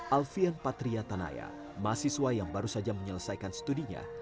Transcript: alfian patria tanaya mahasiswa yang baru saja menyelesaikan studinya